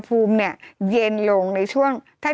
จำกัดจำนวนได้ไม่เกิน๕๐๐คนนะคะ